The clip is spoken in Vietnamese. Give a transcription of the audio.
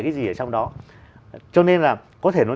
cái gì ở trong đó cho nên là có thể nói